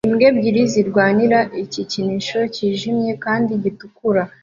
imbwa ebyiri zirwanira igikinisho cyijimye kandi gitukura